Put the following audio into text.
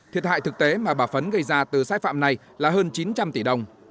thiệt hại thực tế mà bà phấn gây ra từ sai phạm này là hơn chín trăm linh tỷ đồng